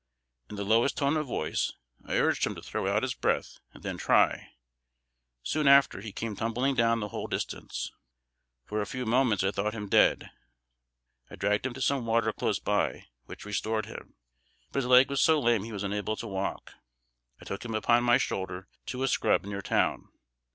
In the lowest tone of voice, I urged him to throw out his breath and then try; soon after, he came tumbling down the whole distance. For a few moments I thought him dead. I dragged him to some water close by, which restored him; but his leg was so lame he was unable to walk. I took him upon my shoulder to a scrub, near town.